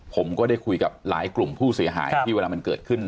ผมก็ได้คุยกับหลายกลุ่มผู้เสียหายที่เวลามันเกิดขึ้น